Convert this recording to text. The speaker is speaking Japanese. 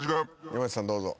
山内さんどうぞ。